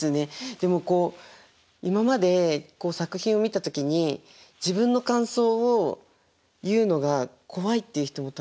でもこう今まで作品を見た時に自分の感想を言うのが怖いっていう人も多分いると思うんです。